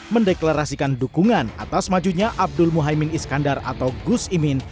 mendeklarasikan dukungan atas majunya abdul muhaymin iskandar atau gus imin